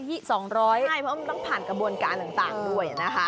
ใช่เพราะมันต้องผ่านกระบวนการต่างด้วยนะคะ